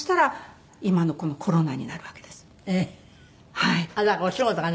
はい。